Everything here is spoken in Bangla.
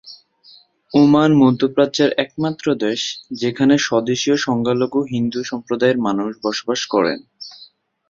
ওমান মধ্যপ্রাচ্যের একমাত্র দেশ যেখানে স্বদেশীয় সংখ্যালঘু হিন্দু সম্প্রদায়ের মানুষ বসবাস করেন।